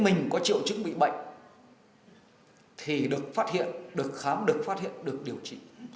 nhiều chứng bị bệnh thì được phát hiện được khám được phát hiện được điều trị